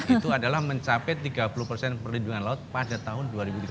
itu adalah mencapai tiga puluh persen perlindungan laut pada tahun dua ribu tiga puluh